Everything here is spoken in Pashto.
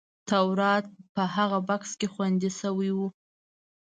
تورات په هغه بکس کې خوندي شوی و.